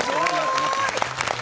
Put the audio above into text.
すごい。